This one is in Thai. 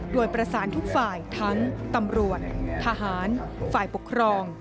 โดยประสานทุกฝ่ายทั้งตำรวจทหารฝ่ายปกครอง